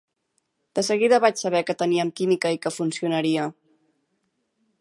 De seguida vaig saber que teníem química i que funcionaria.